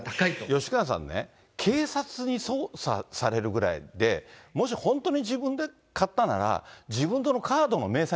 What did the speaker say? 吉川さんね、警察に捜査されるぐらいで、もし本当に自分で買ったなら、そうですよね。